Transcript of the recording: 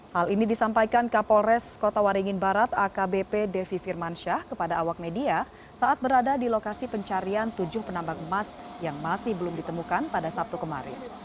hal ini disampaikan kapolres kota waringin barat akbp devi firmansyah kepada awak media saat berada di lokasi pencarian tujuh penambang emas yang masih belum ditemukan pada sabtu kemarin